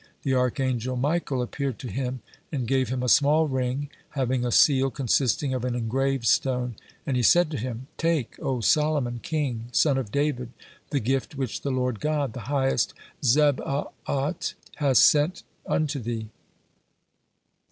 The archangel Michael appeared to him, and gave him a small ring having a seal consisting of an engraved stone, and he said to him: "Take, O Solomon, king, son of David, the gift which the Lord God, the highest Zebaot, hath sent unto thee.